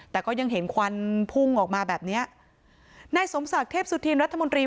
แต่ก็ยังเห็นควันพุ่งออกมาแบบเนี้ยนายสมศักดิ์เทพสุธินรัฐมนตรี